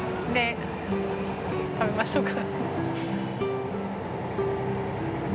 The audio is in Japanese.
食べましょうか？